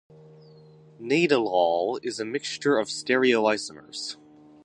Nadolol is a mixture of stereoisomers.